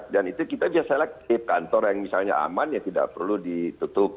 dan itu kita biasanya lagi kantor yang misalnya aman ya tidak perlu ditutup